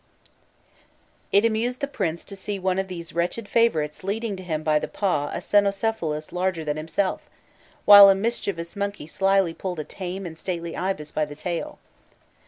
[Illustration: 080.jpg IN A NILE BOAT] It amused the prince to see one of these wretched favourites leading to him by the paw a cynocephalus larger than himself, while a mischievous monkey slyly pulled a tame and stately ibis by the tail.